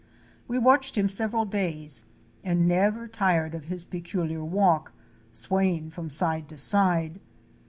We watched him several days and never tired of his pecu liar walk, swaying from side to side.